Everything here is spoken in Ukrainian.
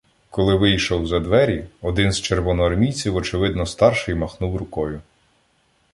Коли вийшов за двері, один з червоноармійців, очевидно старший, махнув рукою: